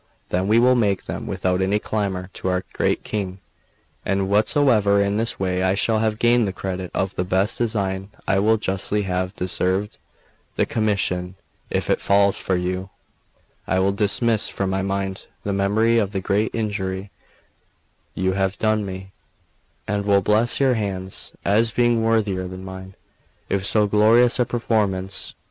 Then we will take them without any clamour to our great King; and whosoever in this way shall have gained the credit of the best design will justly have deserved the commission. If it falls to you, I will dismiss from my mind the memory of the great injury you have done me, and will bless your hands, as being worthier than mine of so glorious a performance.